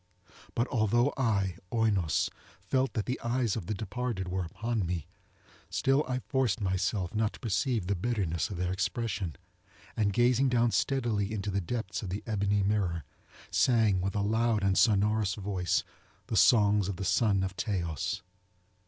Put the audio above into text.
But although I, Oinos, felt that the eyes of the departed were upon me, still I forced myself not to perceive the bitterness of their expression, and gazing down steadily into the depths of the ebony mirror, sang with a loud and sonorous voice the songs of the son of Teios.